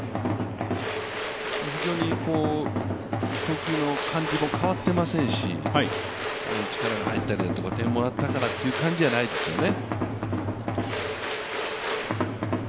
投球の感じも変わってませんし、力が入ったりだとか点をもらったからという感じじゃないですよね。